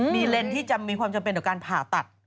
มีเลนส์ที่จะมีความจำเป็นต่อการผ่าตัด